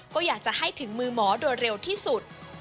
ก็อยากจะให้ถึงมือหมอโดยเร็วที่สุด